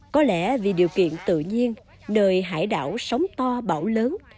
có lẽ vì điều kiện tự nhiên nơi hải đảo sống to bão lớn